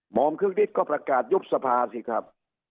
อมคึกฤทธิก็ประกาศยุบสภาสิครับ